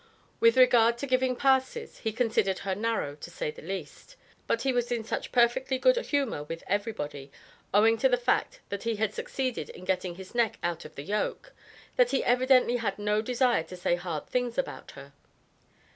With regard to giving "passes," he considered her narrow, to say the least. But he was in such perfectly good humor with everybody, owing to the fact that he had succeeded in getting his neck out of the yoke, that he evidently had no desire to say hard things about her.